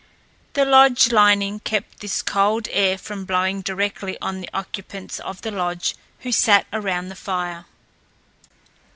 The lodge lining kept this cold air from blowing directly on the occupants of the lodge who sat around the fire.